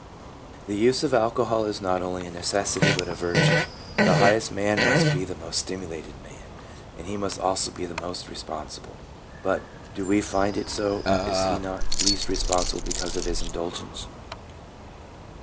The use of alcohol is not only a necessity but a virtue, the highest man must be the most stimulated man, and he must also be the most responsible. But do we find it so? Is he not least responsible because of his indulgence?